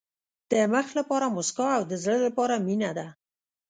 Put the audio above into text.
د مخ لپاره موسکا او د زړه لپاره مینه ده.